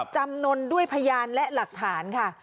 จำนวนด้วยพยานและหลักฐานค่ะ